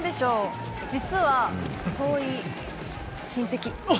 実は、遠い親戚！